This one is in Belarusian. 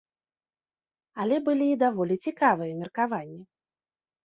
Але былі і даволі цікавыя меркаванні.